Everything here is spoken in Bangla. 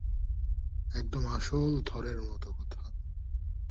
একদম আসল থরের মতো কথা।